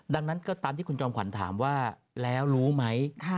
ดังนั้นก็ตามที่คุณจอมขวัญถามว่าแล้วรู้ไหม